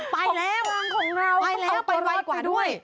ไปแล้วของกลางของเราไปแล้วไปไว้กว่าด้วย